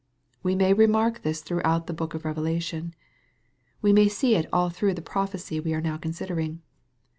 We may remark this throughout the book of Revelation. We may see it all through the prophecy we are now considering.